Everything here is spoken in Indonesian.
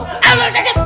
eh udah deket